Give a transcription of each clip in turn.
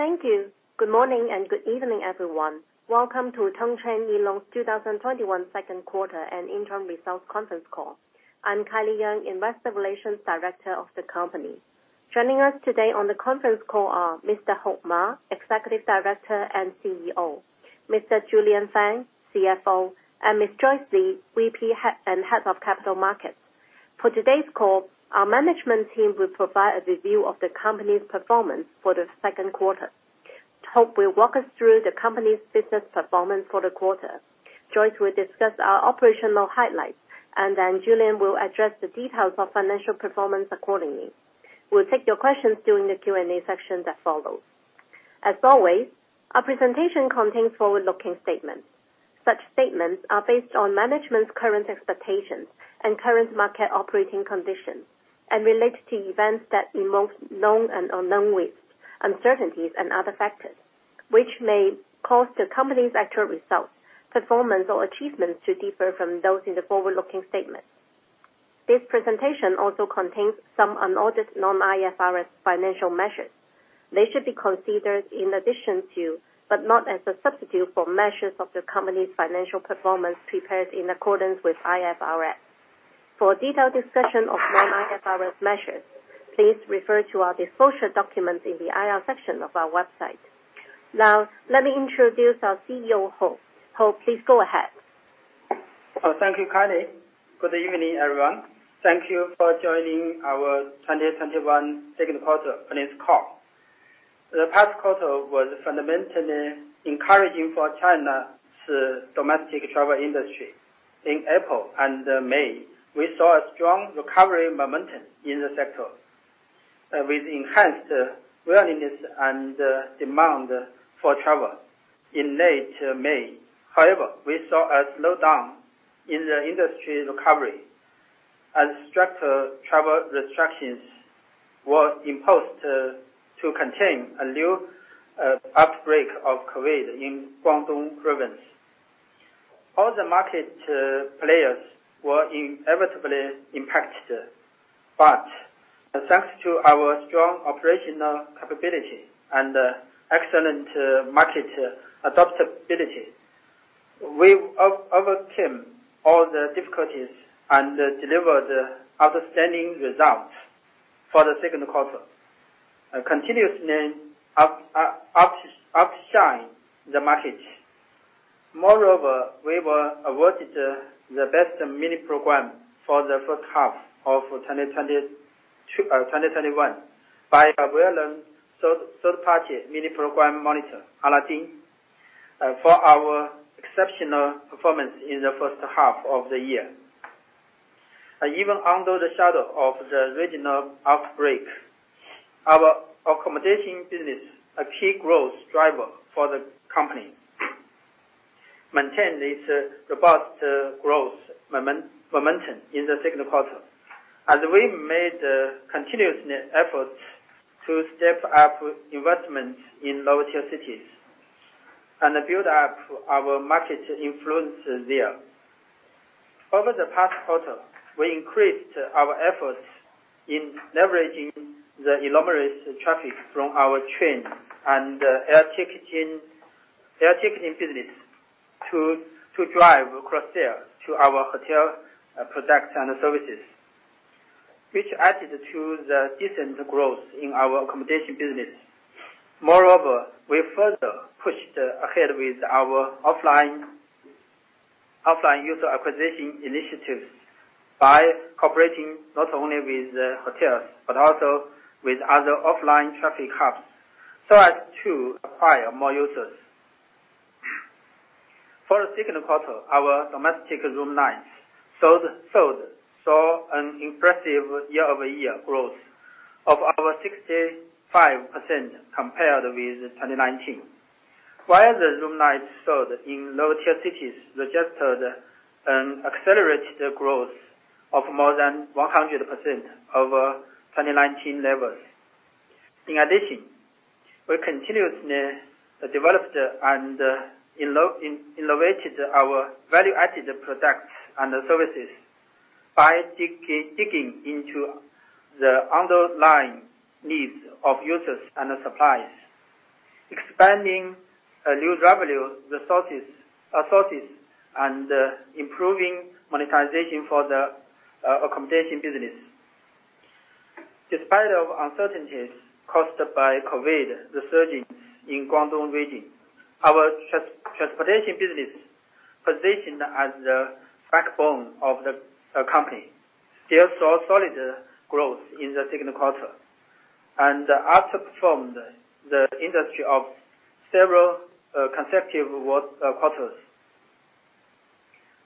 Thank you. Good morning and good evening, everyone. Welcome to Tongcheng Travel 2021 second quarter and interim results conference call. I'm Kylie Yeung, Investor Relations Director of the company. Joining us today on the conference call are Mr. Ma Heping, Executive Director and CEO, Mr. Julian Fan, CFO, and Miss Joyce Li, VP and Head of Capital Markets. For today's call, our management team will provide a review of the company's performance for the second quarter. Hong will walk us through the company's business performance for the quarter. Joyce will discuss our operational highlights, and then Julian will address the details of financial performance accordingly. We'll take your questions during the Q&A section that follows. As always, our presentation contains forward-looking statements. Such statements are based on management's current expectations and current market operating conditions, and relate to events that involve known and unknown risks, uncertainties, and other factors, which may cause the company's actual results, performance, or achievements to differ from those in the forward-looking statements. This presentation also contains some unaudited non-IFRS financial measures. They should be considered in addition to, but not as a substitute for measures of the company's financial performance prepared in accordance with IFRS. For a detailed discussion of non-IFRS measures, please refer to our disclosure documents in the IR section of our website. Now, let me introduce our CEO, Hong. Hong, please go ahead. Thank you, Kylie. Good evening, everyone. Thank you for joining our 2021 second quarter earnings call. The past quarter was fundamentally encouraging for China's domestic travel industry. In April and May, we saw a strong recovery momentum in the sector, with enhanced willingness and demand for travel. In late May, however, we saw a slowdown in the industry's recovery as stricter travel restrictions were imposed to contain a new outbreak of COVID in Guangdong Province. The market players were inevitably impacted. Thanks to our strong operational capability and excellent market adaptability, we overcame all the difficulties and delivered outstanding results for the second quarter, continuously outshine the market. Moreover, we were awarded the Best Mini Program for the first half of 2021 by a well-known third-party mini program monitor, Aladdin, for our exceptional performance in the first half of the year. Even under the shadow of the regional outbreak, our accommodation business, a key growth driver for the company, maintained its robust growth momentum in the second quarter, as we made continuous efforts to step up investment in lower-tier cities and build up our market influence there. Over the past quarter, we increased our efforts in leveraging the enormous traffic from our train and air ticketing business to drive cross-sell to our hotel products and services, which added to the decent growth in our accommodation business. Moreover, we further pushed ahead with our offline user acquisition initiatives by cooperating not only with the hotels, but also with other offline traffic hubs, so as to acquire more users. For the second quarter, our domestic room nights sold saw an impressive year-over-year growth of over 65% compared with 2019, while the room nights sold in lower-tier cities registered an accelerated growth of more than 100% over 2019 levels. In addition, we continuously developed and innovated our value-added products and services by digging into the underlying needs of users and suppliers, expanding new revenue sources, and improving monetization for the accommodation business. Despite of uncertainties caused by COVID, the surging in Guangdong region, our transportation business, positioned as the backbone of the company, still saw solid growth in the second quarter and outperformed the industry of several consecutive quarters.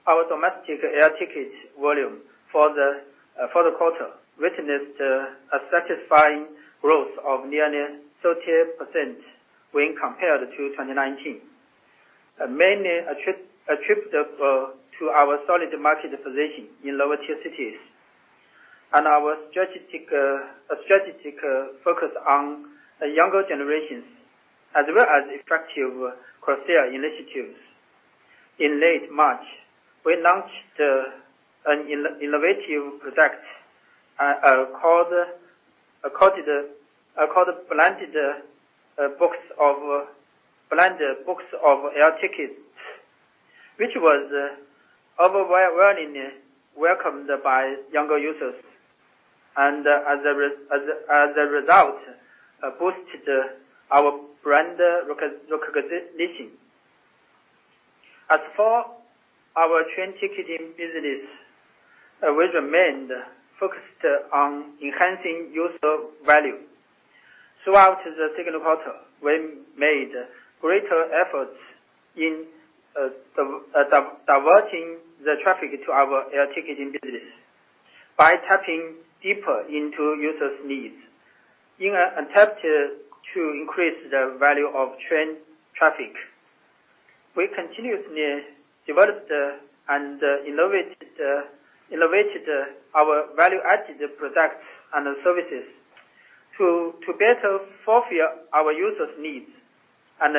Our domestic air ticket volume for the quarter witnessed a satisfying growth of nearly 30% when compared to 2019, mainly attributable to our solid market position in lower-tier cities and our strategic focus on younger generations, as well as effective cross-sell initiatives. In late March, we launched an innovative product called Blind Box of Air Tickets, which was overwhelmingly welcomed by younger users, and as a result, boosted our brand recognition. As for our train ticketing business, we remained focused on enhancing user value. Throughout the second quarter, we made greater efforts in diverting the traffic to our air ticketing business by tapping deeper into users' needs. In an attempt to increase the value of train traffic, we continuously developed and innovated our value-added products and services to better fulfill our users' needs and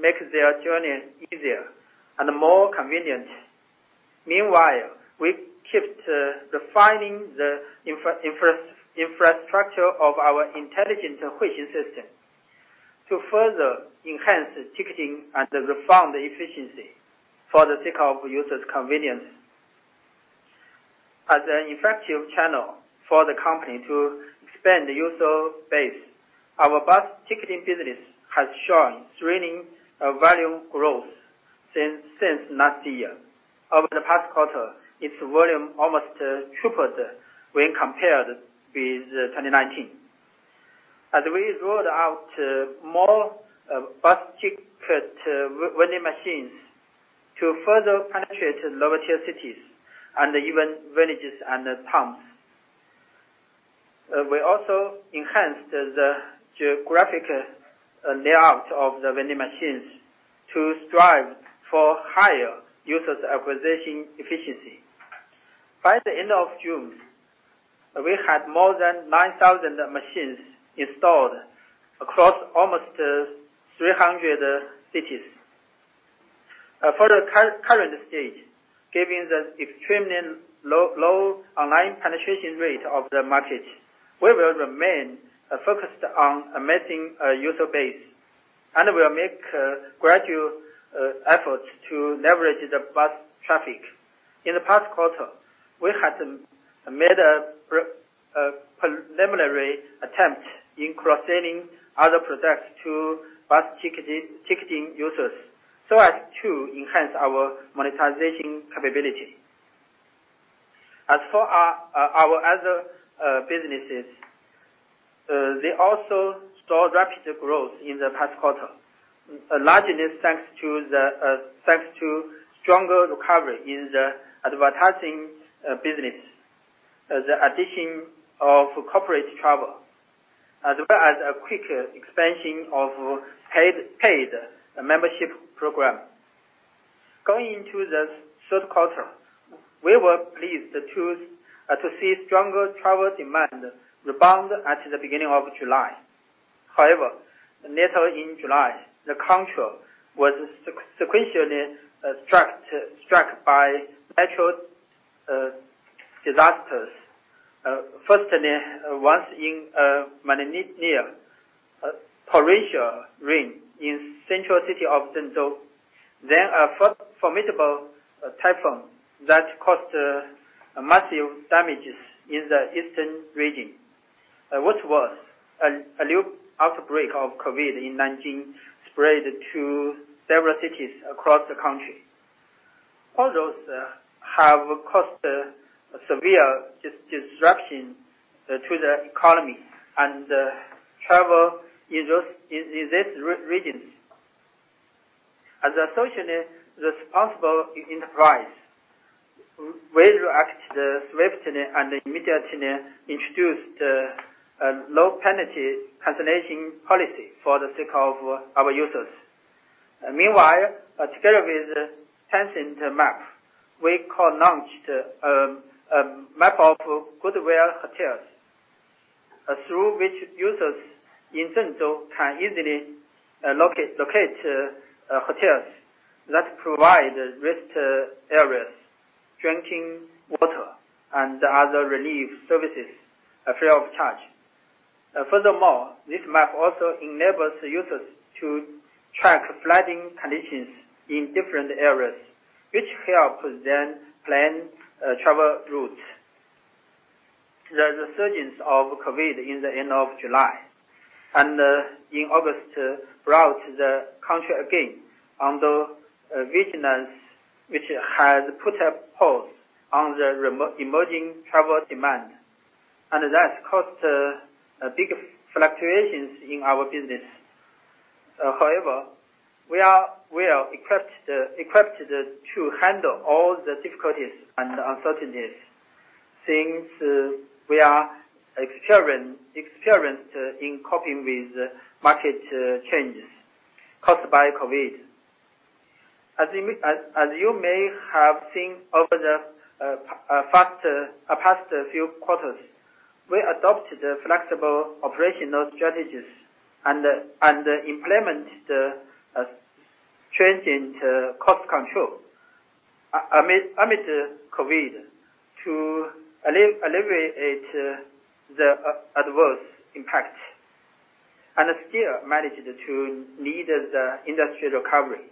make their journey easier and more convenient. Meanwhile, we kept refining the infrastructure of our intelligent system to further enhance ticketing and refund efficiency for the sake of users' convenience. As an effective channel for the company to expand user base, our bus ticketing business has shown thrilling volume growth since last year. Over the past quarter, its volume almost tripled when compared with 2019. We rolled out more bus ticket vending machines to further penetrate lower-tier cities, and even villages and towns. We also enhanced the geographic layout of the vending machines to strive for higher users acquisition efficiency. By the end of June, we had more than 9,000 machines installed across almost 300 cities. For the current stage, given the extremely low online penetration rate of the market, we will remain focused on amassing a user base and will make gradual efforts to leverage the bus traffic. In the past quarter, we had made a preliminary attempt in cross-selling other products to bus ticketing users so as to enhance our monetization capability. As for our other businesses, they also saw rapid growth in the past quarter, largely thanks to stronger recovery in the advertising business, the addition of corporate travel, as well as a quick expansion of paid membership program. Going into the third quarter, we were pleased to see stronger travel demand rebound at the beginning of July. Later in July, the country was sequentially struck by natural disasters. Firstly, was near torrential rain in central city of Zhengzhou, then a formidable typhoon that caused massive damages in the eastern region. What's worse, a new outbreak of COVID in Nanjing spread to several cities across the country. All those have caused severe disruption to the economy and travel in these regions. As a socially responsible enterprise, we reacted swiftly and immediately introduced a low-penalty cancellation policy for the sake of our users. Meanwhile, together with Tencent Map, we co-launched a map of good-will hotels, through which users in Zhengzhou can easily locate hotels that provide rest areas, drinking water, and other relief services free of charge. Furthermore, this map also enables users to track flooding conditions in different areas, which helps them plan travel routes. The resurgence of COVID in the end of July and in August brought the country again under vigilance, which has put a pause on the emerging travel demand, and that's caused big fluctuations in our business. However, we are well-equipped to handle all the difficulties and uncertainties since we are experienced in coping with market changes caused by COVID. As you may have seen over the past few quarters, we adopted flexible operational strategies and implemented a change in cost control amid COVID to alleviate the adverse impact, and still managed to lead the industry recovery.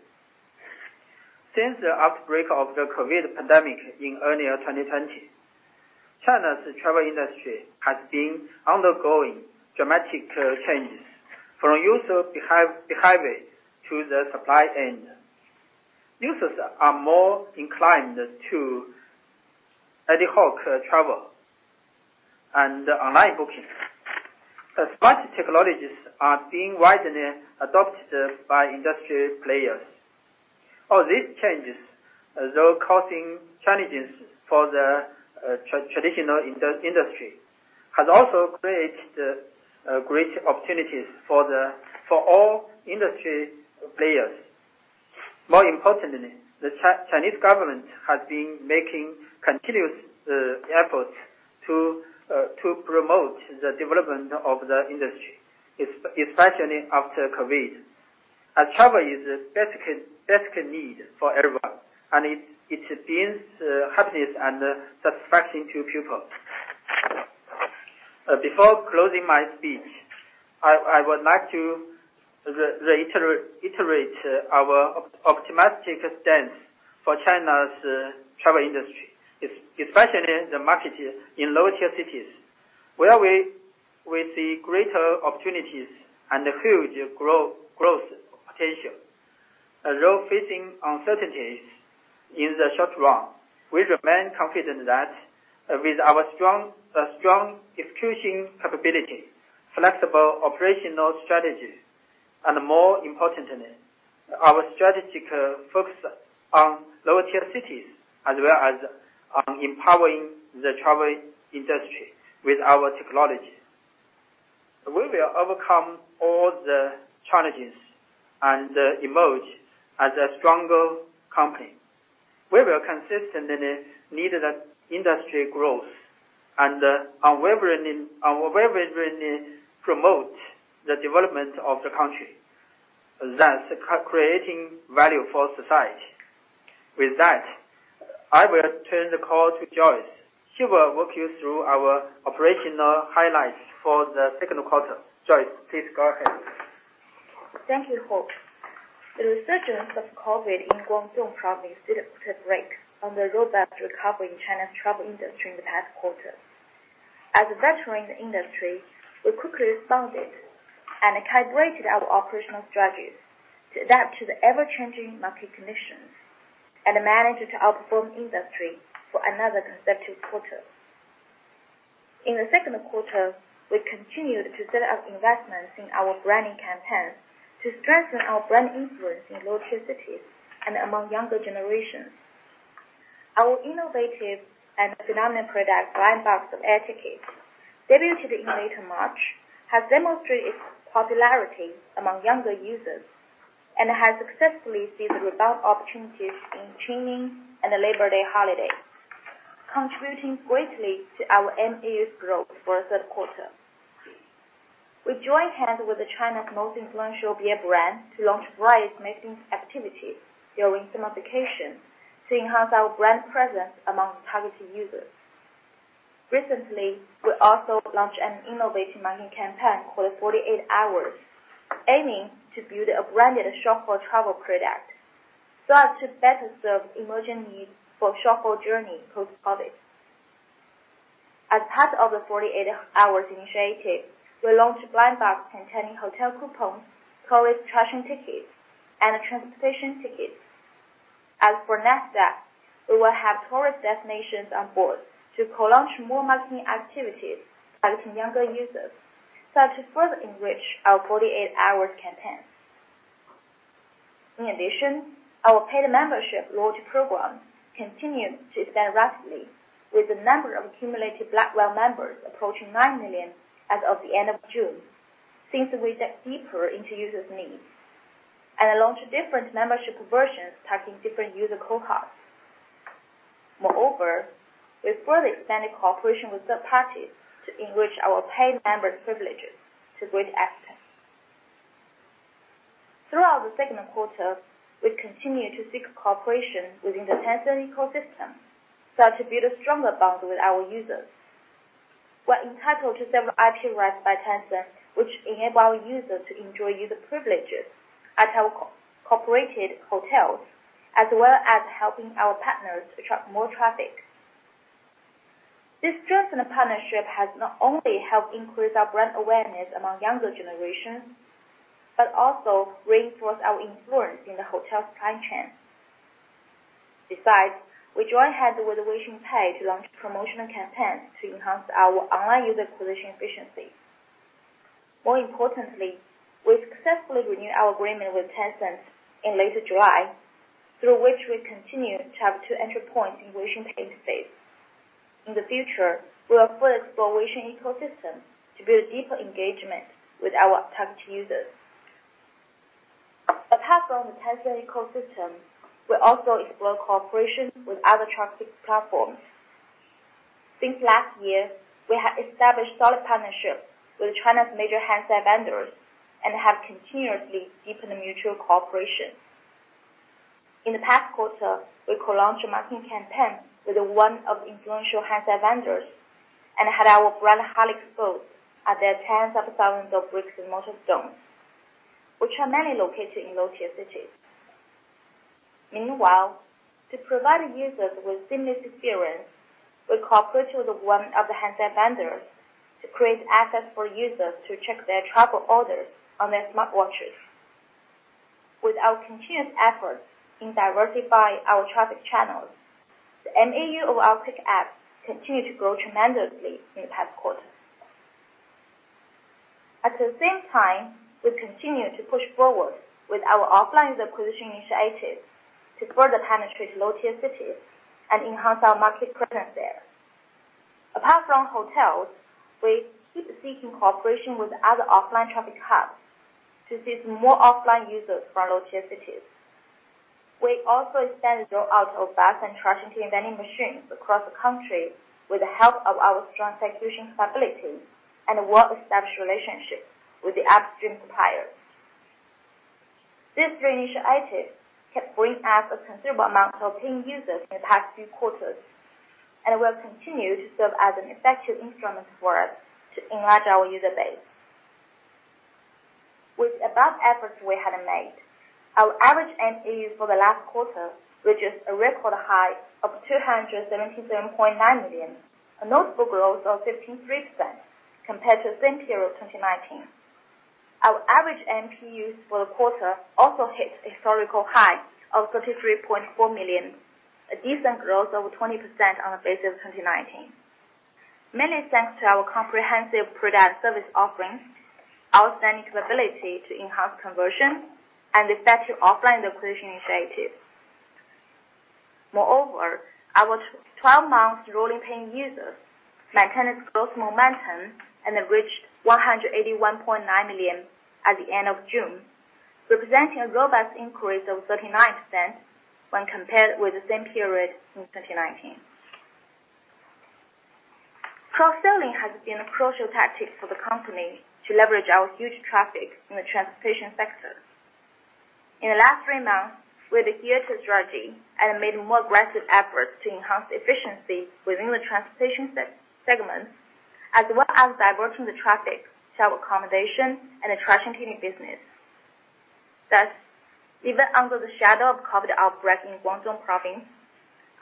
Since the outbreak of the COVID pandemic in early 2020, China's travel industry has been undergoing dramatic changes from user behavior to the supply end. Users are more inclined to ad hoc travel and online booking. Smart technologies are being widely adopted by industry players. All these changes, although causing challenges for the traditional industry, have also created great opportunities for all industry players. More importantly, the Chinese government has been making continuous efforts to promote the development of the industry, especially after COVID. Travel is a basic need for everyone and it brings happiness and satisfaction to people. Before closing my speech, I would like to reiterate our optimistic stance for China's travel industry, especially the market in lower-tier cities, where we see greater opportunities and huge growth potential. Although facing uncertainties in the short run, we remain confident that with our strong execution capability, flexible operational strategies, and more importantly, our strategic focus on lower-tier cities as well as on empowering the travel industry with our technology, we will overcome all the challenges and emerge as a stronger company. We will consistently lead the industry growth and unwaveringly promote the development of the country, thus creating value for society. With that, I will turn the call to Joyce. She will walk you through our operational highlights for the second quarter. Joyce, please go ahead. Thank you, Heping. The resurgence of COVID in Guangdong Province did put a brake on the roadmap to recovery in China's travel industry in the past quarter. As a veteran in the industry, we quickly responded and calibrated our operational strategies to adapt to the ever-changing market conditions and managed to outperform industry for another consecutive quarter. In the second quarter, we continued to set up investments in our branding campaigns to strengthen our brand influence in lower-tier cities and among younger generations. Our innovative and phenomenal product, Blind Box of Air Tickets, debuted in late March, has demonstrated its popularity among younger users, and has successfully seized rebound opportunities in Qingming and the Labor Day holiday, contributing greatly to our MAUs growth for the third quarter. We joined hands with China's most influential beer brand to launch various marketing activities during summer vacation to enhance our brand presence among targeted users. Recently, we also launched an innovative marketing campaign called 48 Hours, aiming to build a branded short-haul travel product so as to better serve emerging needs for short-haul journey post-COVID. As part of the 48 Hours initiative, we launched Blind Box containing hotel coupons, tourist attraction tickets, and transportation tickets. As for next step, we will have tourist destinations on board to co-launch more marketing activities targeting younger users so as to further enrich our 48 Hours campaign. In addition, our paid membership loyalty programs continued to expand rapidly with the number of cumulative Black Whale members approaching nine million as of the end of June. We dug deeper into users' needs and launched different membership versions targeting different user cohorts. Moreover, we further expanded cooperation with third parties to enrich our paid members' privileges to great effect. Throughout the second quarter, we continued to seek cooperation within the Tencent ecosystem so as to build a stronger bond with our users. We're entitled to several IP rights by Tencent Maps, which enable our users to enjoy user privileges at our cooperated hotels, as well as helping our partners attract more traffic. This strengthened partnership has not only helped increase our brand awareness among younger generations, but also reinforced our influence in the hotel supply chain. Besides, we joined hands with Weixin Pay to launch promotional campaigns to enhance our online user acquisition efficiency. More importantly, we successfully renewed our agreement with Tencent in late July, through which we continue to have two entry points in Weixin Pay interface. In the future, we will further explore Weixin ecosystem to build deeper engagement with our target users. Apart from the Tencent ecosystem, we also explore cooperation with other traffic platforms. Since last year, we have established solid partnerships with China's major handset vendors and have continuously deepened mutual cooperation. In the past quarter, we co-launched a marketing campaign with one of the influential handset vendors and had our brand, Haglöfs, both at their tens of thousands of bricks-and-mortar stores, which are mainly located in low-tier cities. Meanwhile, to provide users with seamless experience, we cooperate with one of the handset vendors to create access for users to check their travel orders on their smartwatches. With our continuous efforts in diversifying our traffic channels, the MAU of our Trip.com app continued to grow tremendously in the past quarter. At the same time, we continue to push forward with our offline user acquisition initiatives to further penetrate low-tier cities and enhance our market presence there. Apart from hotels, we keep seeking cooperation with other offline traffic hubs to assist more offline users from low-tier cities. We also expanded the roll out of bags and charging vending machines across the country with the help of our strong execution stability and well-established relationships with the upstream suppliers. These three initiatives have brought us a considerable amount of paying users in the past few quarters, and will continue to serve as an effective instrument for us to enlarge our user base. With above efforts we have made, our average MAUs for the last quarter reaches a record high of 277.9 million, a notable growth of 15.3% compared to the same period of 2019. Our average MPUs for the quarter also hit a historical high of 33.4 million, a decent growth of 20% on a base of 2019. Many thanks to our comprehensive product service offerings, outstanding capability to enhance conversion, and effective offline acquisition initiatives. Moreover, our 12 months rolling paying users maintained its growth momentum and have reached 181.9 million at the end of June, representing a robust increase of 39% when compared with the same period in 2019. Cross-selling has been a crucial tactic for the company to leverage our huge traffic in the transportation sector. In the last three months, we adhered to the strategy and made more aggressive efforts to enhance efficiency within the transportation segment, as well as diverting the traffic to our accommodation and attraction business. Even under the shadow of COVID outbreak in Guangdong Province,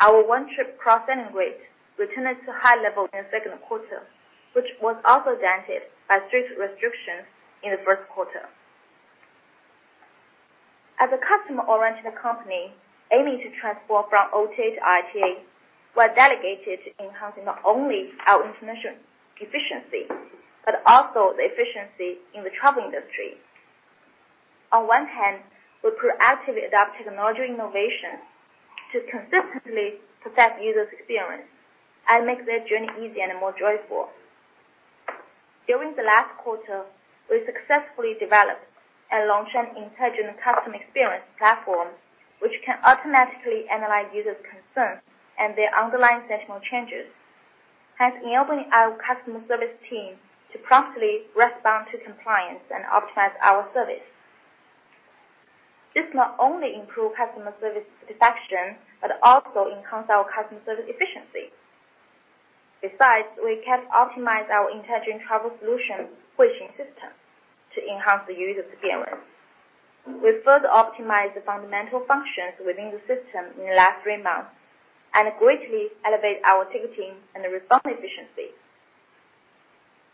our one-trip cross-selling rate returned to high level in the second quarter, which was also dented by strict restrictions in the first quarter. As a customer-oriented company aiming to transform from OTA to ITA, we are dedicated to enhancing not only our internal efficiency, but also the efficiency in the travel industry. We proactively adopt technology innovation to consistently perfect users' experience and make their journey easier and more joyful. During the last quarter, we successfully developed and launched an intelligent customer experience platform, which can automatically analyze users' concerns and their underlying situational changes, hence enabling our customer service team to promptly respond to compliance and optimize our service. This not only improve customer service satisfaction, but also enhance our customer service efficiency. We can optimize our intelligent travel solution, Huixing System, to enhance the user experience. We further optimized the fundamental functions within the system in the last three months and greatly elevated our ticketing and response efficiency.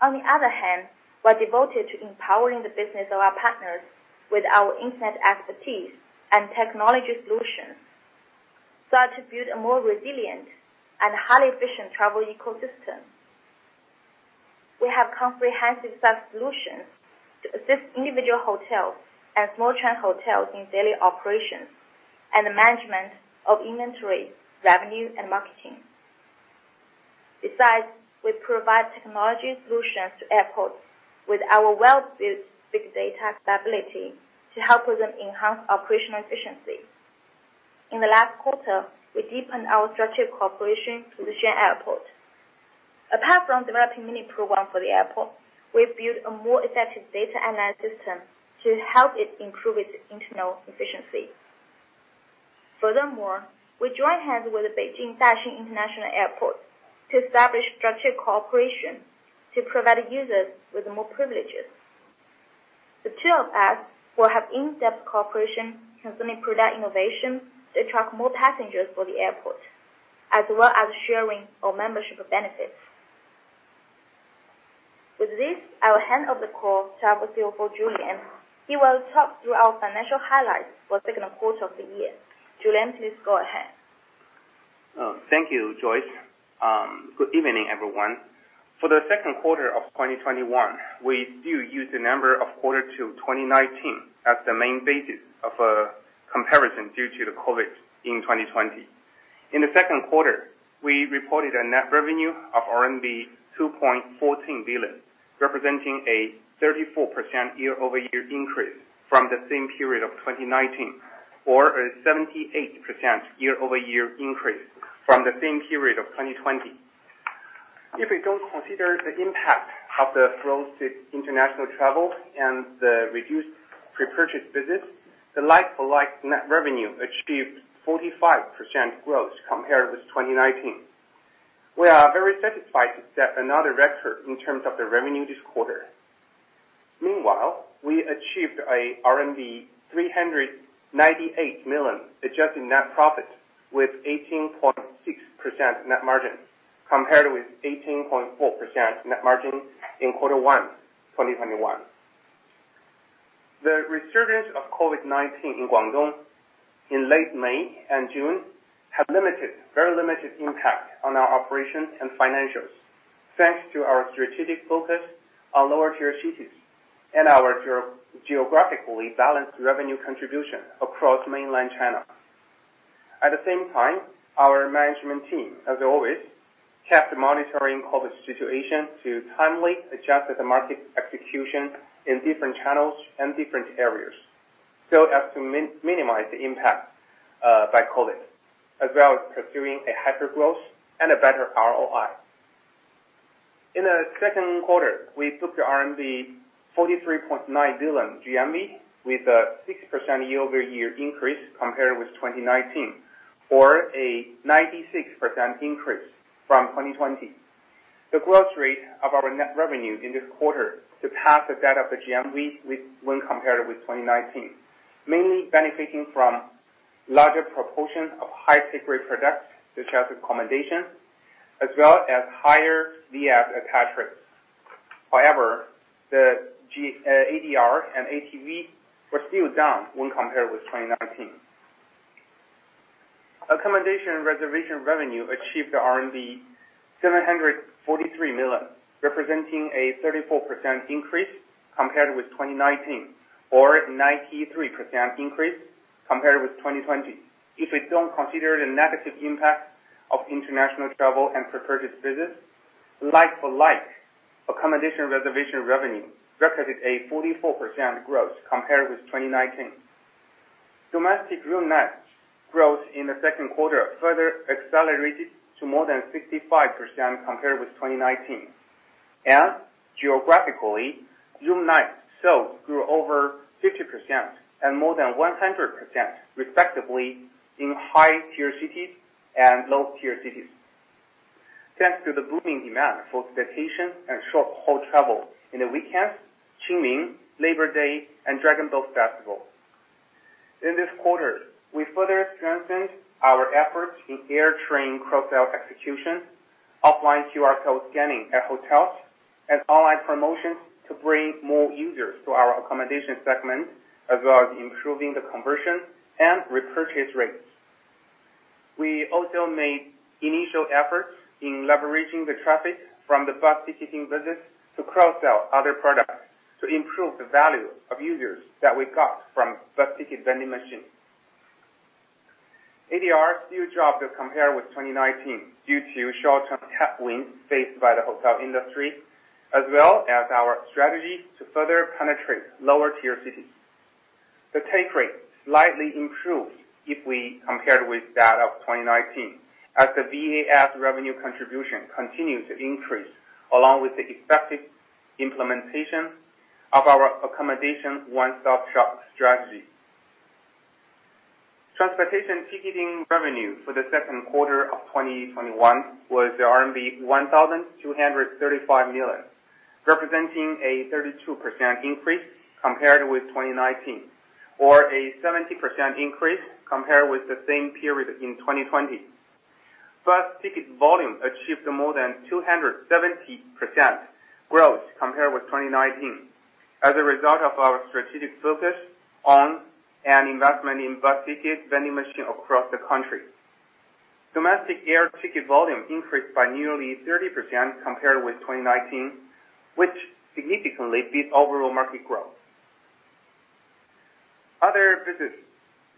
On the other hand, we are devoted to empowering the business of our partners with our internet expertise and technology solutions. To build a more resilient and highly efficient travel ecosystem, we have comprehensive set solutions to assist individual hotels and small chain hotels in daily operations and the management of inventory, revenue, and marketing. We provide technology solutions to airports with our well-built big data capability to help them enhance operational efficiency. In the last quarter, we deepened our strategic cooperation with Shenzhen Airport. Apart from developing many programs for the airport, we've built a more effective data analysis system to help it improve its internal efficiency. Furthermore, we joined hands with the Beijing Daxing International Airport to establish structured cooperation to provide users with more privileges. The two of us will have in-depth cooperation concerning product innovation to attract more passengers for the airport, as well as sharing our membership benefits. With this, I will hand over the call to our CFO, Julian. He will talk through our financial highlights for second quarter of the year. Julian, please go ahead. Thank you, Joyce. Good evening, everyone. For the second quarter of 2021, we still use the number of quarter two 2019 as the main basis of a comparison due to the COVID in 2020. In the second quarter, we reported a net revenue of RMB 2.14 billion, representing a 34% year-over-year increase from the same period of 2019, or a 78% year-over-year increase from the same period of 2020. If we don't consider the impact of the frozen international travel and the reduced pre-purchase business, the like-for-like net revenue achieved 45% growth compared with 2019. We are very satisfied to set another record in terms of the revenue this quarter. Meanwhile, we achieved a RMB 398 million adjusted net profit with 18.6% net margin, compared with 18.4% net margin in quarter one 2021. The resurgence of COVID-19 in Guangdong in late May and June had very limited impact on our operations and financials, thanks to our strategic focus on lower tier cities and our geographically balanced revenue contribution across mainland China. At the same time, our management team, as always, kept monitoring COVID situation to timely adjust the market execution in different channels and different areas so as to minimize the impact by COVID, as well as pursuing a higher growth and a better ROI. In the second quarter, we booked the RMB 43.9 billion GMV with a 6% year-over-year increase compared with 2019, or a 96% increase from 2020. The growth rate of our net revenue in this quarter surpassed that of the GMV when compared with 2019, mainly benefiting from larger proportion of high take rate products, such as accommodation, as well as higher VAS attach rates. However, the ADR and ATV were still down when compared with 2019. Accommodation reservation revenue achieved RMB 743 million, representing a 34% increase compared with 2019, or 93% increase compared with 2020. If we don't consider the negative impact of international travel and pre-purchase business, like-for-like accommodation reservation revenue recorded a 44% growth compared with 2019. Domestic room nights growth in the second quarter further accelerated to more than 65% compared with 2019. Geographically, room night sale grew over 50% and more than 100%, respectively, in high-tier cities and low-tier cities, thanks to the booming demand for staycation and short haul travel in the weekends, Qingming, Labor Day, and Dragon Boat Festival. In this quarter, we further strengthened our efforts in air, train cross-sell execution, offline QR code scanning at hotels, and online promotions to bring more users to our accommodation segment as well as improving the conversion and repurchase rates. We also made initial efforts in leveraging the traffic from the bus ticketing business to cross-sell other products to improve the value of users that we got from bus ticket vending machine. ADR still dropped to compare with 2019 due to short-term headwind faced by the hotel industry, as well as our strategy to further penetrate lower tier cities. The take rate slightly improved if we compared with that of 2019, as the VAS revenue contribution continues to increase along with the effective implementation of our accommodation one-stop-shop strategy. Transportation ticketing revenue for the second quarter of 2021 was RMB 1,235 million, representing a 32% increase compared with 2019, or a 17% increase compared with the same period in 2020. Bus ticket volume achieved more than 270% growth compared with 2019 as a result of our strategic focus on an investment in bus ticket vending machine across the country. Domestic air ticket volume increased by nearly 30% compared with 2019, which significantly beat overall market growth. Other business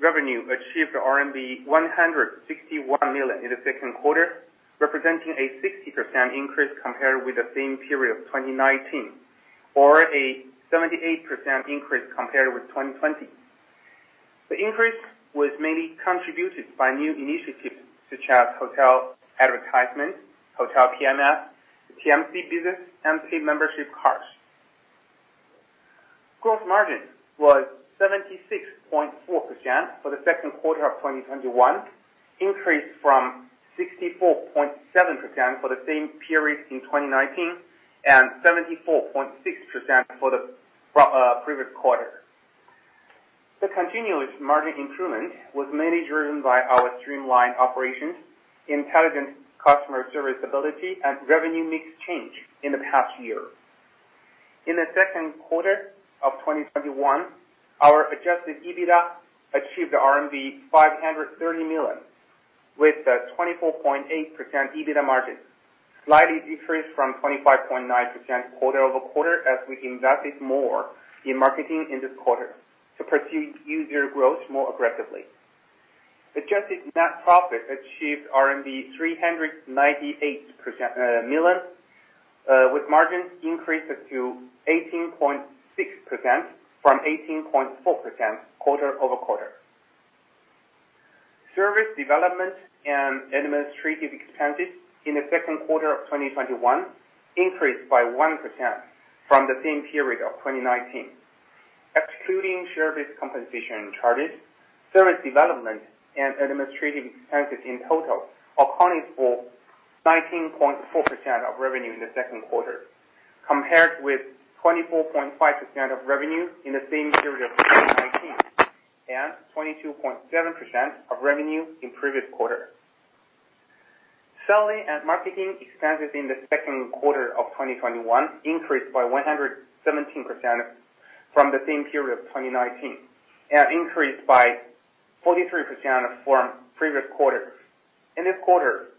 revenue achieved RMB 161 million in the second quarter, representing a 60% increase compared with the same period 2019, or a 78% increase compared with 2020. The increase was mainly contributed by new initiatives such as hotel advertisement, hotel PMS, TMC business, and paid membership cards. Gross margin was 76.4% for the second quarter of 2021, increased from 64.7% for the same period in 2019 and 74.6% for the previous quarter. The continuous margin improvement was mainly driven by our streamlined operations, intelligent customer service ability, and revenue mix change in the past year. In the second quarter of 2021, our adjusted EBITDA achieved 530 million, with a 24.8% EBITDA margin. Slightly decreased from 25.9% quarter-over-quarter, as we invested more in marketing in this quarter to pursue user growth more aggressively. Adjusted net profit achieved RMB 398 million, with margins increased to 18.6% from 18.4% quarter-over-quarter. Service development and administrative expenses in the second quarter of 2021 increased by 1% from the same period of 2019. Excluding share-based compensation charges, service development and administrative expenses in total accounted for 19.4% of revenue in the second quarter, compared with 24.5% of revenue in the same period of 2019 and 22.7% of revenue in previous quarter. Selling and marketing expenses in the second quarter of 2021 increased by 117% from the same period of 2019 and increased by 43% from previous quarter. In this quarter,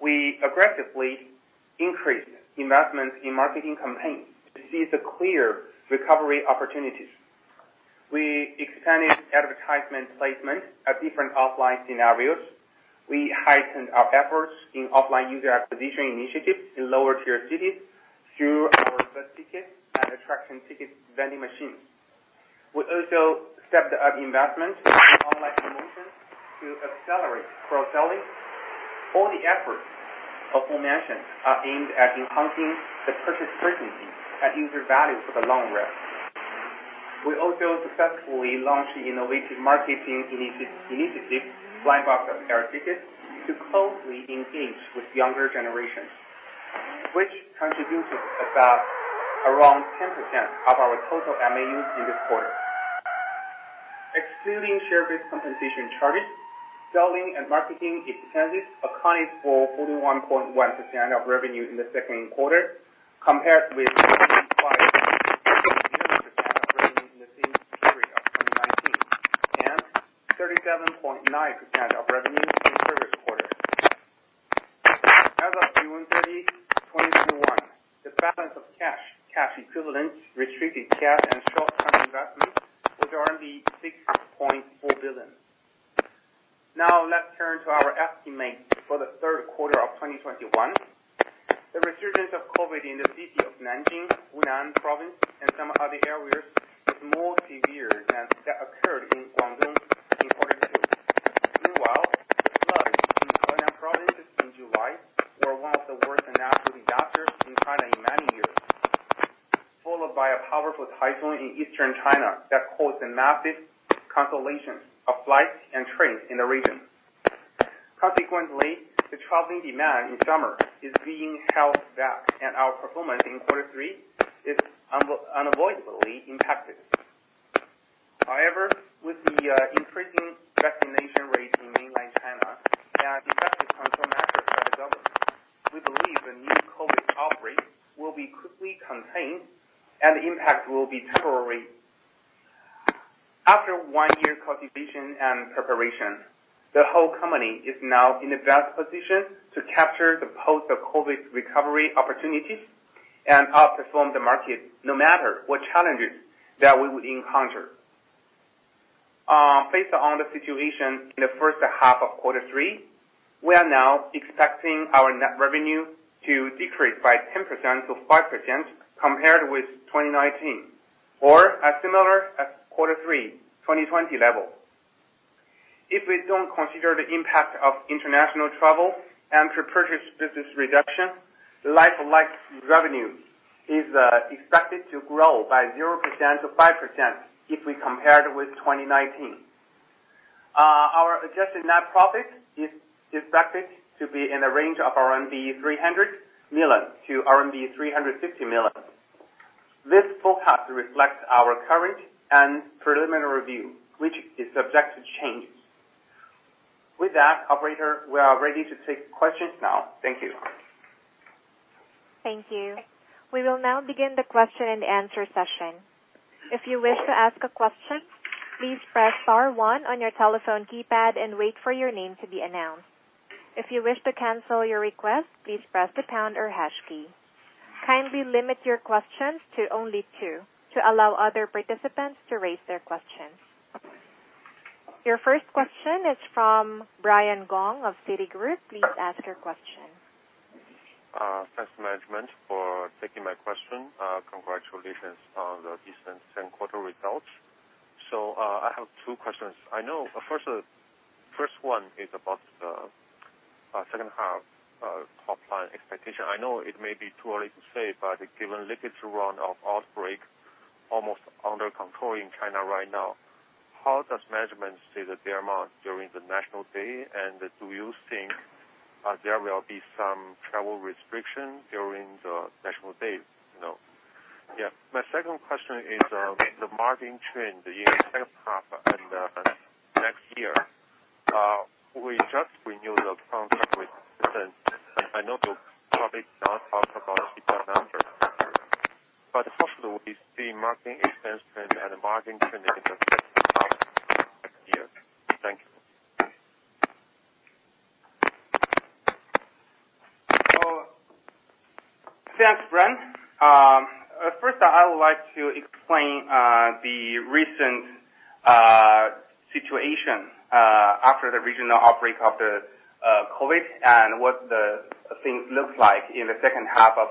we aggressively increased investments in marketing campaigns to seize the clear recovery opportunities. We expanded advertisement placement at different offline scenarios. We heightened our efforts in offline user acquisition initiatives in lower-tier cities through our bus ticket and attraction ticket vending machines. We also stepped up investment in online promotions to accelerate cross-selling. All the efforts aforementioned are aimed at enhancing the purchase frequency and user value for the long run. We also successfully launched innovative marketing initiatives, Blind Box of Air Tickets, to closely engage with younger generations, which contributed about around 10% of our total MAU in this quarter. Excluding share-based compensation charges, selling and marketing expenses accounted for 41.1% of revenue in the second quarter, compared with 45.2% of revenue in the same period of 2019 and 37.9% of revenue in the previous quarter. As of June 30, 2021, the balance of cash equivalents, restricted cash and short-term investments was 6.4 billion. Now let's turn to our estimates for the third quarter of 2021. The resurgence of COVID in the city of Nanjing, Hunan Province and some other areas is more severe than that occurred in Guangdong in Q2. Meanwhile, the floods in Henan Province in July were one of the worst natural disasters in China in many years, followed by a powerful typhoon in eastern China that caused a massive cancellation of flights and trains in the region. Consequently, the traveling demand in summer is being held back, and our performance in Q3 is unavoidably impacted. However, with the increasing vaccination rate in mainland China and effective control measures by the government, we believe the new COVID outbreak will be quickly contained and the impact will be temporary. After one year consolidation and preparation, the whole company is now in a better position to capture the post-COVID recovery opportunities and outperform the market no matter what challenges that we would encounter. Based on the situation in the first half of Q3, we are now expecting our net revenue to decrease by 10%-5% compared with 2019 or as similar as Q3 2020 level. If we don't consider the impact of international travel and pre-purchase business reduction, like-for-like revenue is expected to grow by 0%-5% if we compare it with 2019. Our adjusted net profit is expected to be in the range of 300 million-350 million RMB. This forecast reflects our current and preliminary review, which is subject to change. With that, operator, we are ready to take questions now. Thank you. Thank you. We will now begin the question and answer session. If you wish to ask a question, please press star one on your telephone keypad and wait for your name to be announced. If you wish to cancel your request, please press the pound or hash key. Kindly limit your questions to only two to allow other participants to raise their questions. Your first question is from Brian Gong of Citigroup. Please ask your question. Thanks, management, for taking my question. Congratulations on the recent quarter results. I have two questions. First one is about the second half top line expectation. I know it may be too early to say, given latest round of outbreak almost under control in China right now, how does management see the demand during the National Day, and do you think there will be some travel restrictions during the National Day? My second question is the margin trend in second half and next year. We just renewed the contract with Tencent, I know you probably cannot talk about Tencent numbers. How should we see margin expense trend and margin trend in the second half? Thanks, Brian. First, I would like to explain the recent situation after the regional outbreak of the COVID and what the things look like in the second half of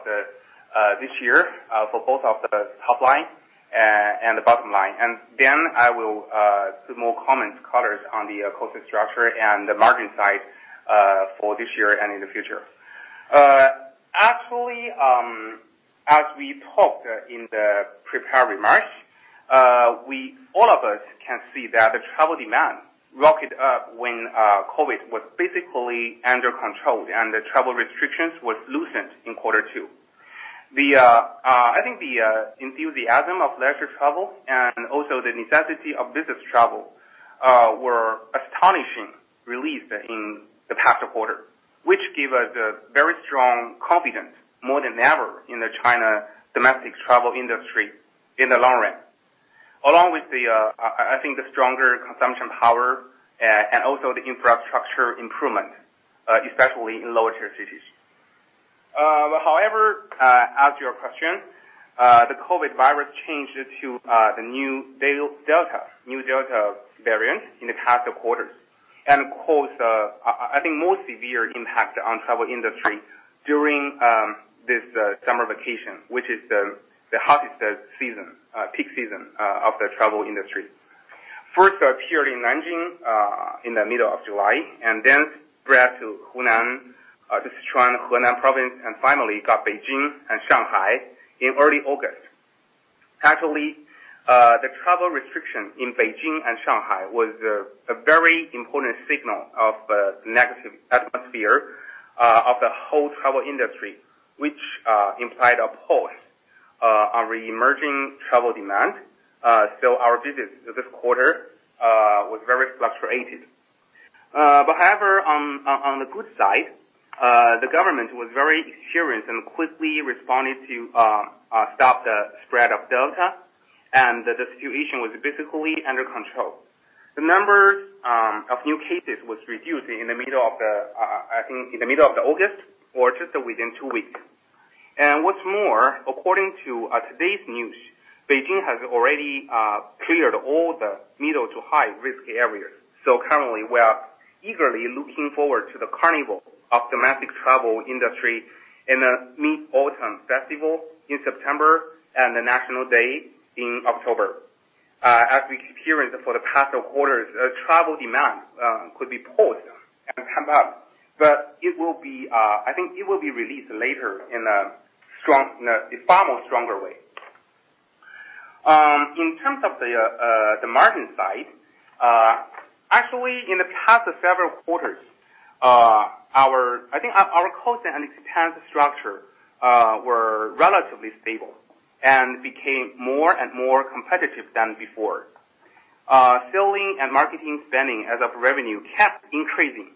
this year for both of the top line and the bottom line. Then I will put more comments, colors on the cost structure and the margin side for this year and in the future. Actually, as we talked in the prepared remarks, all of us can see that the travel demand rocket up when COVID was basically under control, and the travel restrictions was loosened in Q2. I think the enthusiasm of leisure travel and also the necessity of business travel were astonishing relief in the past quarter, which give us a very strong confidence more than ever in the China domestic travel industry in the long run. I think, the stronger consumption power and also the infrastructure improvement, especially in lower tier cities. As to your question, the COVID virus changed to the new Delta variant in the past quarters and caused, I think, more severe impact on travel industry during this summer vacation, which is the hottest peak season of the travel industry. First appeared in Nanjing, in the middle of July, then spread to Sichuan, Hunan Province, finally got Beijing and Shanghai in early August. Actually, the travel restriction in Beijing and Shanghai was a very important signal of the negative atmosphere of the whole travel industry, which implied a pause on reemerging travel demand. Our business this quarter was very fluctuated. However, on the good side, the government was very assured and quickly responded to stop the spread of Delta, the situation was basically under control. The numbers of new cases was reduced, I think, in the middle of August or just within two weeks. What's more, according to today's news, Beijing has already cleared all the middle to high-risk areas. Currently we are eagerly looking forward to the carnival of domestic travel industry in the Mid-Autumn Festival in September and the National Day in October. As we experienced for the past quarters, travel demand could be paused and come up, I think it will be released later in a far more stronger way. In terms of the margin side, actually, in the past several quarters, I think our cost and expense structure were relatively stable and became more and competitive than before. Selling and marketing spending as of revenue kept increasing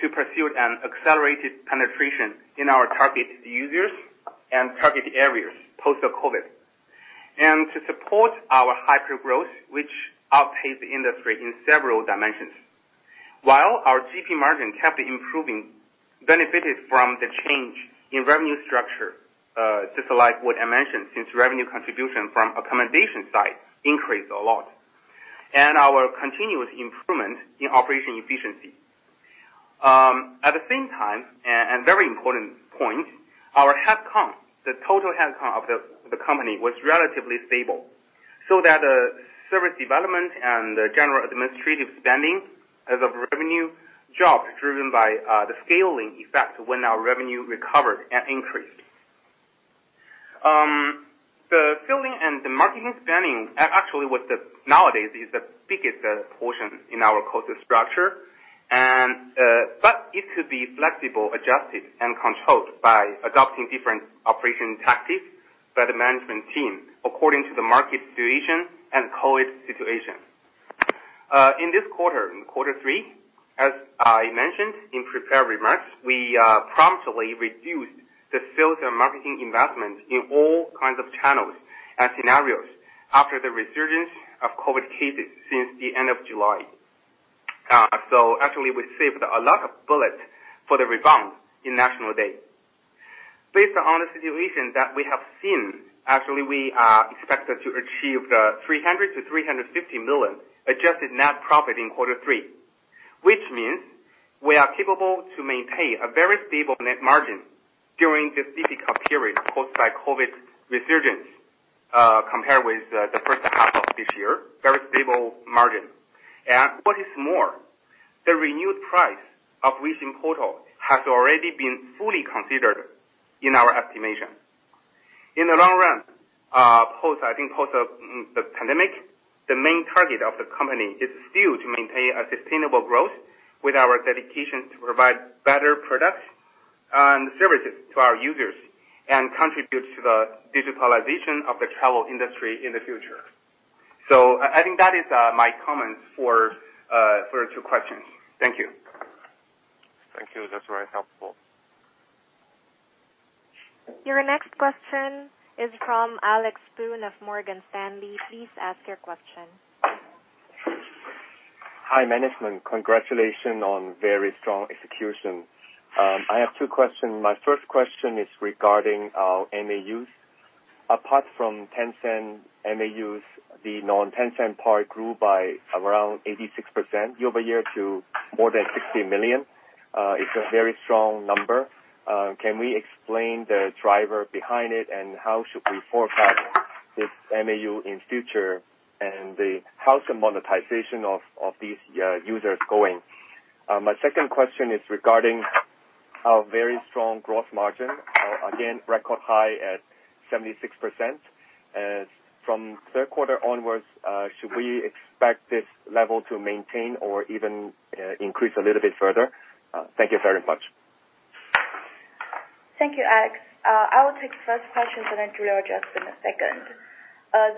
to pursue an accelerated penetration in our target users and target areas post-COVID. To support our hyper-growth, which outpaced the industry in several dimensions. While our GP margin kept improving, benefited from the change in revenue structure, just like what I mentioned since revenue contribution from accommodation side increased a lot, and our continuous improvement in operation efficiency. At the same time, a very important point, our head count, the total head count of the company was relatively stable, so that the service development and the general administrative spending as of revenue dropped driven by the scaling effect when our revenue recovered and increased. The selling and marketing spending, actually, nowadays, is the biggest portion in our cost structure. It could be flexible, adjusted, and controlled by adopting different operation tactics by the management team according to the market situation and COVID situation. In this quarter, in quarter three, as I mentioned in prepared remarks, we promptly reduced the sales and marketing investment in all kinds of channels and scenarios after the resurgence of COVID cases since the end of July. Actually, we saved a lot of bullet for the rebound in National Day. Based on the situation that we have seen, actually we are expected to achieve the 300 million-350 million adjusted net profit in quarter three, which means we are capable to maintain a very stable net margin during this difficult period caused by COVID resurgence compared with the first half of this year, very stable margin. What is more, the renewed price of recent quarter has already been fully considered in our estimation. In the long run, I think post the pandemic, the main target of the company is still to maintain a sustainable growth with our dedication to provide better products and services to our users and contribute to the digitalization of the travel industry in the future. I think that is my comments for your two questions. Thank you. Thank you. That's very helpful. Your next question is from Alex Poon of Morgan Stanley. Please ask your question. Hi, management. Congratulations on very strong execution. I have two questions. My first question is regarding our MAUs. Apart from Tencent MAUs, the non-Tencent part grew by around 86% year-over-year to more than 60 million. It's a very strong number. Can we explain the driver behind it and how should we forecast this MAU in future, and how's the monetization of these users going? My second question is regarding our very strong GP margin, again, record high at 76%. From third quarter onwards, should we expect this level to maintain or even increase a little bit further? Thank you very much. Thank you, Alex. I will take the first question, and then Julian, just in a second.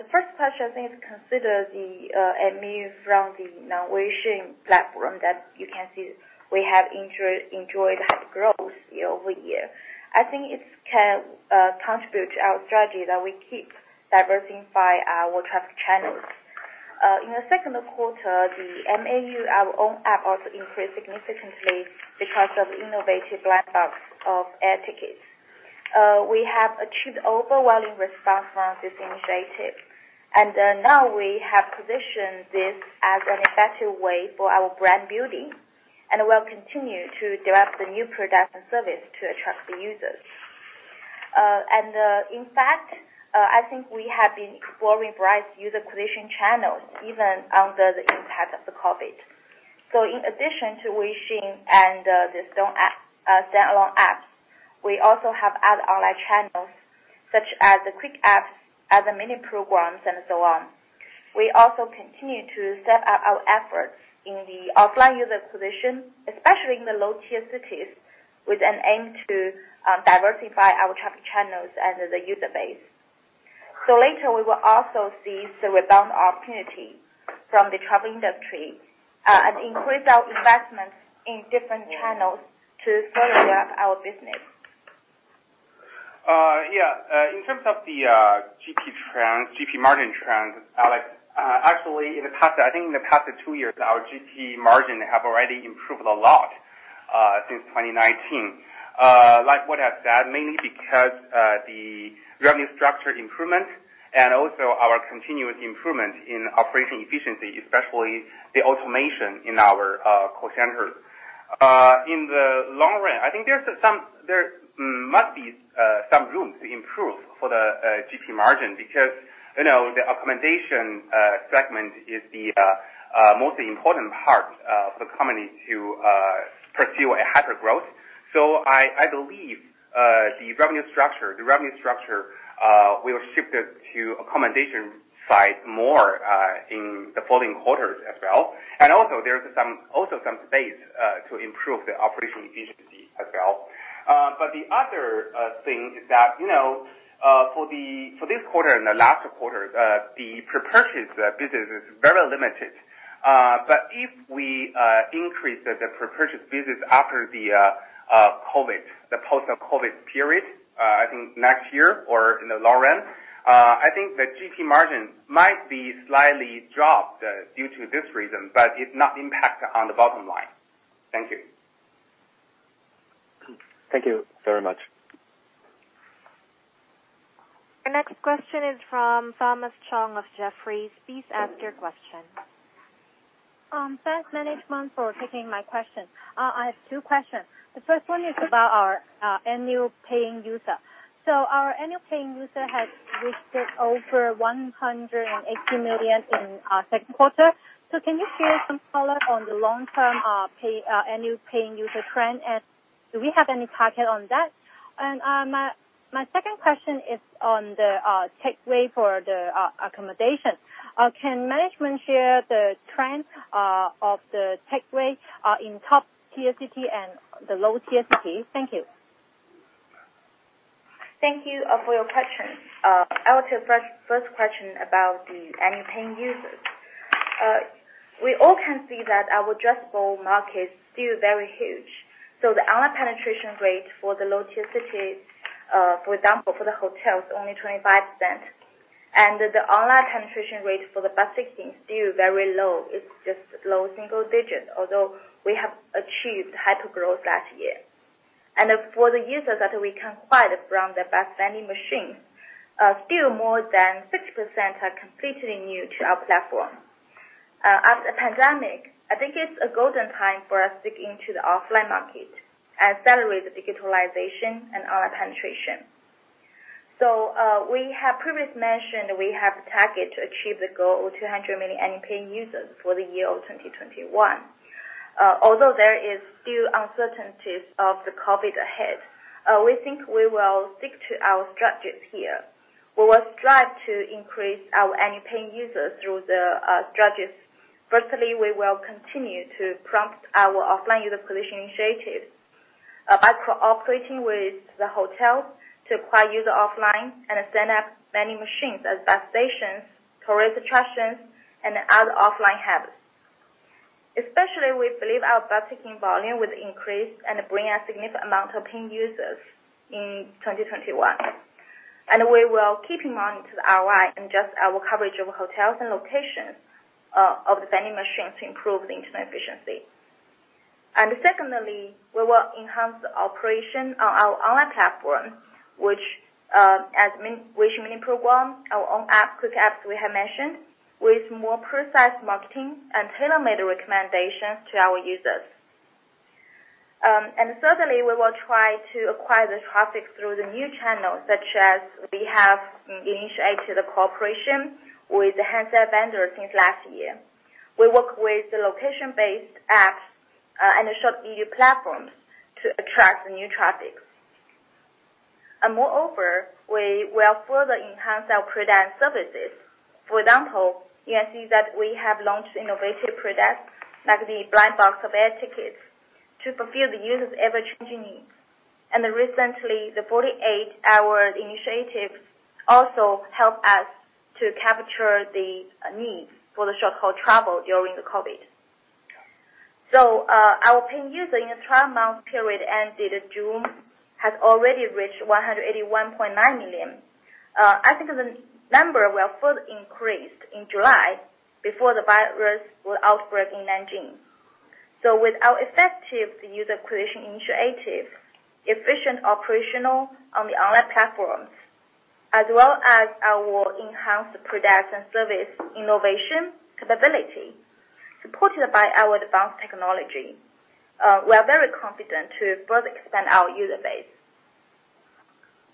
The first question, I think, is consider the MAU from the non-Weixin platform that you can see we have enjoyed high growth year-over-year. I think it can contribute to our strategy that we keep diversifying our traffic channels. In the second quarter, the MAU, our own app also increased significantly because of innovative lineups of air tickets. We have achieved overwhelming response from this initiative. Now we have positioned this as an effective way for our brand building. We'll continue to develop the new products and service to attract the users. In fact, I think we have been exploring various user acquisition channels even under the impact of the COVID. In addition to Weixin and the standalone apps, we also have other online channels such as the quick apps as a mini programs and so on. We also continue to step up our efforts in the offline user acquisition, especially in the low-tier cities, with an aim to diversify our traffic channels and the user base. Later we will also see the rebound opportunity from the travel industry, and increase our investments in different channels to further ramp our business. In terms of the GP trend, GP margin trend, Alex Poon, actually, I think in the past two years, our GP margin have already improved a lot since 2019. Like what I said, mainly because the revenue structure improvement and also our continuous improvement in operational efficiency, especially the automation in our call centers. In the long run, I think there must be some room to improve for the GP margin because the accommodation segment is the most important part of the company to pursue a hyper-growth. I believe the revenue structure will shift to accommodation side more in the following quarters as well. There's also some space to improve the operational efficiency as well. The other thing is that, for this quarter and the last quarter, the pre-purchase business is very limited. If we increase the pre-purchase business after the COVID, the post-COVID period, I think next year or in the long run, I think the GP margin might be slightly dropped due to this reason, but it not impact on the bottom line. Thank you. Thank you very much. The next question is from Thomas Chong of Jefferies. Please ask your question. Thanks, management, for taking my question. I have two questions. The first one is about our annual paying user. Our annual paying user has reached over 180 million in our second quarter. Can you share some color on the long-term annual paying user trend, and do we have any target on that? My second question is on the take rate for the accommodation. Can management share the trend of the take rate in top-tier city and the low-tier city? Thank you. Thank you for your question. I'll take first question about the annual paying users. We all can see that our addressable market is still very huge. The online penetration rate for the low-tier cities, for example, for the hotels, only 25%. The online penetration rate for the bus tickets still very low. It's just low single digit, although we have achieved hyper-growth last year. For the users that we acquired from the bus vending machines, still more than 60% are completely new to our platform. After the pandemic, I think it's a golden time for us to get into the offline market and accelerate the digitalization and online penetration. We have previously mentioned we have a target to achieve the goal of 200 million annual paying users for the year 2021. Although there is still uncertainties of COVID ahead, we think we will stick to our strategies here. We will strive to increase our annual paying users through the strategies. Firstly, we will continue to promote our offline user acquisition initiatives by cooperating with the hotels to acquire users offline and set up vending machines at bus stations, tourist attractions, and other offline hubs. Especially, we believe our bus ticket volume will increase and bring a significant amount of paying users in 2021. We will keep in mind the ROI and adjust our coverage of hotels and locations of the vending machines to improve the internal efficiency. Secondly, we will enhance the operation on our online platform, which has many mini programs, our own apps, quick apps we have mentioned, with more precise marketing and tailor-made recommendations to our users. Thirdly, we will try to acquire the traffic through the new channels, such as we have initiated a cooperation with the handset vendor since last year. We work with the location-based apps and the short video platforms to attract the new traffic. Moreover, we will further enhance our product and services. For example, you can see that we have launched innovative products like the Blind Box of Air Tickets to fulfill the user's ever-changing needs. Recently, the 48 Hours initiative also helped us to capture the needs for the short-haul travel during the COVID. Our paying user in the 12-month period ended June has already reached 181.9 million. I think the number will further increase in July before the virus will outbreak in Nanjing. With our effective user acquisition initiative, efficient operational on the online platforms, as well as our enhanced product and service innovation capability, supported by our advanced technology, we are very confident to further expand our user base.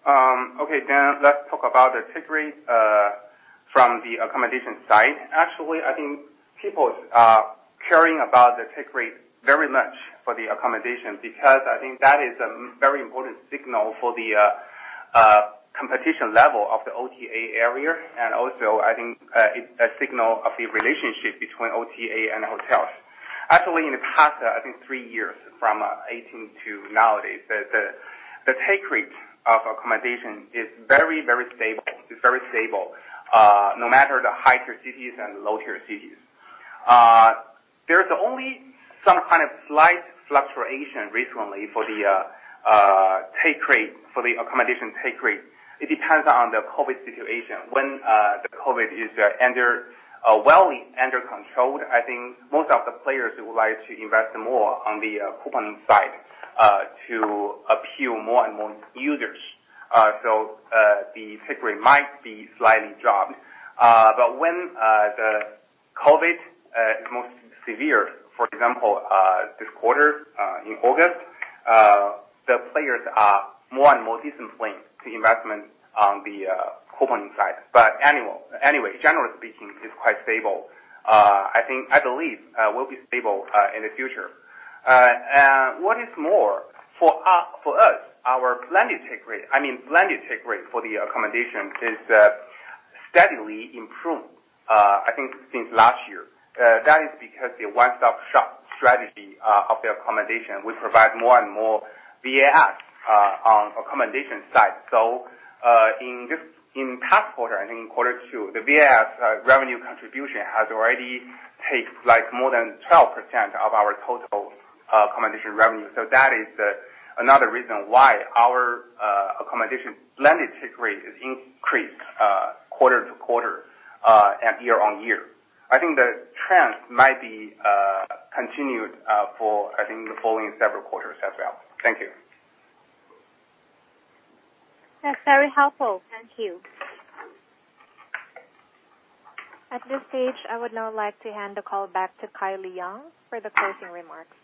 Okay. Let's talk about the take rate from the accommodation side. Actually, I think people are caring about the take rate very much for the accommodation, because I think that is a very important signal for the competition level of the OTA area, and also, I think a signal of the relationship between OTA and hotels. Actually, in the past, I think three years, from 2018 to nowadays, the take rate of accommodation is very stable, no matter the high-tier cities and low-tier cities. There's only some kind of slight fluctuation recently for the accommodation take rate. It depends on the COVID situation. When the COVID is well under controlled, I think most of the players would like to invest more on the couponing side to appeal more and more users. The take rate might be slightly dropped. When the COVID is most severe, for example, this quarter in August, the players are more and more disciplined to investment on the couponing side. Anyway, generally speaking, it's quite stable. I believe it will be stable in the future. What is more, for us, our blended take rate for the accommodation is steadily improved, I think since last year. That is because the one-stop-shop strategy of the accommodation will provide more and more VAS on accommodation side. In past quarter, I think in quarter two, the VAS revenue contribution has already taken more than 12% of our total accommodation revenue. That is another reason why our accommodation blended take rate is increased quarter-to-quarter and year-on-year. I think the trend might be continued for, I think, the following several quarters as well. Thank you. That's very helpful. Thank you. At this stage, I would now like to hand the call back to Kylie Yeung for the closing remarks.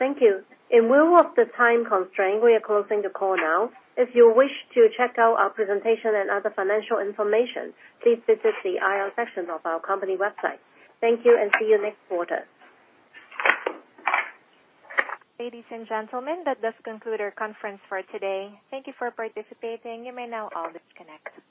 Thank you. In lieu of the time constraint, we are closing the call now. If you wish to check out our presentation and other financial information, please visit the IR section of our company website. Thank you, and see you next quarter. Ladies and gentlemen, that does conclude our conference for today. Thank you for participating. You may now all disconnect.